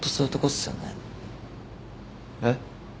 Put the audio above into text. えっ？